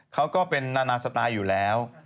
เขาก็เป็นนานาสไตล์อยู่แล้ว